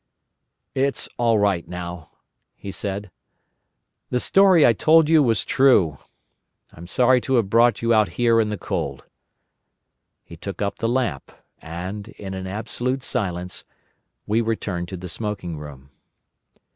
"It's all right now," he said. "The story I told you was true. I'm sorry to have brought you out here in the cold." He took up the lamp, and, in an absolute silence, we returned to the smoking room.